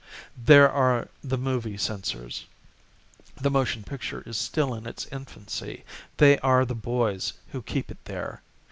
There are the Movie Censors, The motion picture is still in its infancy, They are the boys who keep it there.